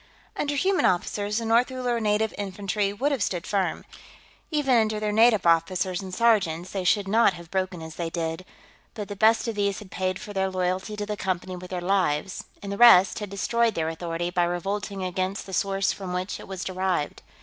Under human officers, the North Uller Native Infantry would have stood firm. Even under their native officers and sergeants, they should not have broken as they did, but the best of these had paid for their loyalty to the Company with their lives, and the rest had destroyed their authority by revolting against the source from which it was derived.